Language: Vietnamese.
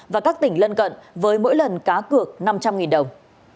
và các tỉnh lân cận với mỗi lần cá cược năm trăm linh đồng